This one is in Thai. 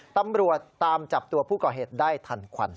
ตำรวจตามจับตัวผู้ก่อเหตุได้ทันควัน